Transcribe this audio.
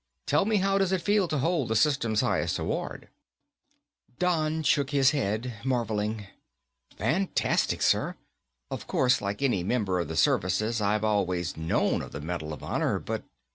Tell me, how does it feel to hold the system's highest award?" Don shook his head, marveling. "Fantastic, sir. Of course, like any member of the services I've always known of the Medal of Honor, but